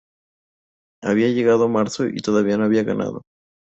Había llegado marzo y todavía no había ganado.